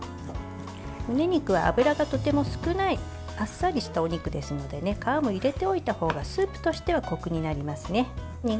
むね肉は脂がとても少ないあっさりしたお肉ですので皮も入れておいたほうがスープとしてはこくになりますね。